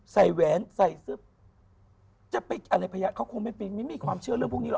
ใส่แหวนใส่เสื้อเขาคงไม่มีความเชื่อเรื่องพวกนี้หรอ